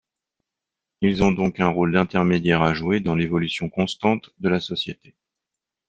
Ils ont donc un rôle d'intermédiaire à jouer dans l'évolution constante de la société.